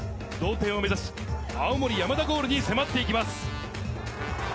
同点を目指し、青森山田ゴールに迫って行きます。